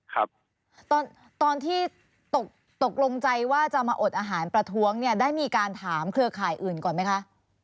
ครับตอนตอนที่ตกตกลงใจว่าจะมาอดอาหารประท้วงเนี่ยได้มีการถามเครือข่ายอื่นก่อนไหมคะ